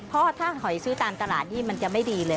เพราะถ้าหอยซื้อตามตลาดนี่มันจะไม่ดีเลย